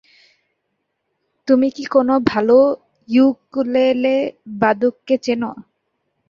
তুমি কি কোনো ভালো ইউকুলেলে বাদককে চেনো?